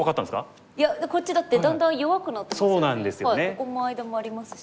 ここの間もありますし。